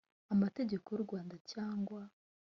amategeko y u rwanda cyangwa